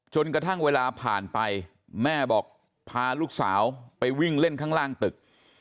จนกระทั่งเวลาผ่านไปแม่บอกพาลูกสาวไปวิ่งเล่นข้างล่างตึก